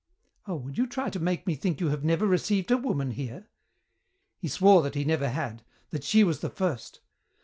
"Oh, would you try to make me think you have never received a woman here?" He swore that he never had, that she was the first....